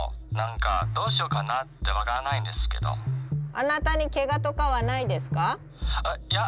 あなたにケガとかはないですか？